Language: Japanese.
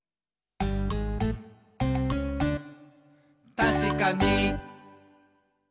「たしかに！」